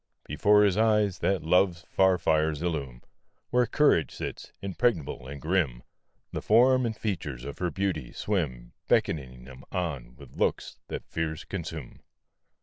Before his eyes that love's far fires illume Where courage sits, impregnable and grim The form and features of her beauty swim, Beckoning him on with looks that fears consume.